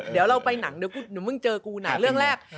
เดี๋ยวเราไปหนังเดี๋ยวมึงเจอกูหนังเรื่องแรก